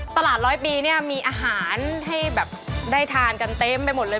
ร้อยปีเนี่ยมีอาหารให้แบบได้ทานกันเต็มไปหมดเลย